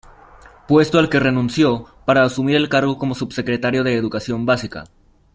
Puesto al que renunció para asumir el cargo como subsecretario de Educación Básica.